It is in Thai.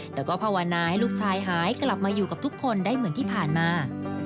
แต่ก็ภาวนาให้ลูกชายหายกลับมาอยู่กับทุกคนได้เหมือนที่ผ่านมา